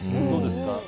どうですか？